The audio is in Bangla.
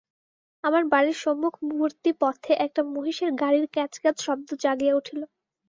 আমার বাড়ির সম্মুখবর্তী পথে একটা মহিষের গাড়ির ক্যাঁচ ক্যাঁচ শব্দ জাগিয়া উঠিল।